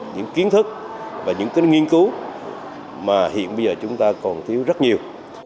những kiến thức và những nghiên cứu mà hiện bây giờ chúng ta còn thiếu rất nhiều